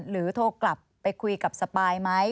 โทรกลับไปคุยกับสปายไหม